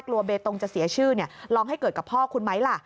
เบตงจะเสียชื่อลองให้เกิดกับพ่อคุณไหมล่ะ